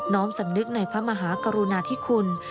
้อมสำนึกในพระมหากรุณาธิคุณ